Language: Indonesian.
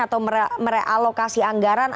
atau merealokasi anggaran